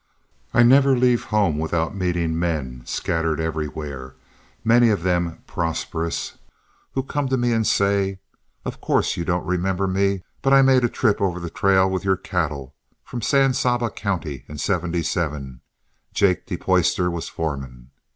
I never leave home without meeting men, scattered everywhere, many of them prosperous, who come to me and say, "Of course you don't remember me, but I made a trip over the trail with your cattle, from San Saba County in '77. Jake de Poyster was foreman.